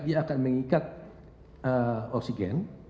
dia akan mengikat oksigen